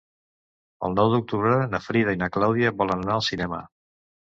El nou d'octubre na Frida i na Clàudia volen anar al cinema.